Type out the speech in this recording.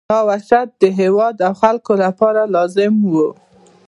دا وحشت د هېواد او خلکو لپاره لازم وو.